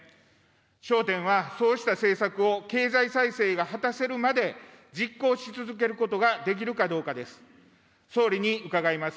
焦点はそうした政策を経済再生が果たせるまで、実行し続けることができるかどうかです。